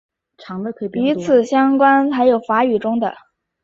与此相关的还有法语中的。